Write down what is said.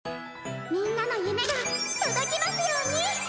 みんなの夢が届きますように！